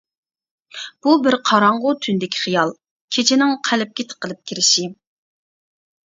بۇ بىر قاراڭغۇ تۈندىكى خىيال، كېچىنىڭ قەلبكە تىقىلىپ كىرىشى.